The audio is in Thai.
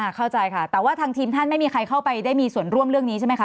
เข้าใจค่ะแต่ว่าทางทีมท่านไม่มีใครเข้าไปได้มีส่วนร่วมเรื่องนี้ใช่ไหมคะ